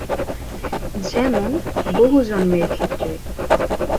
যেমনঃ বহু জন্মের ক্ষেত্রে।